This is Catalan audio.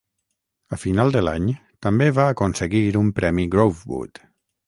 A final de l'any també va aconseguir un premi Grovewood.